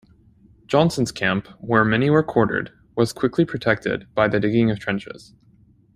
Johnson's camp, where many were quartered, was quickly protected by the digging of trenches.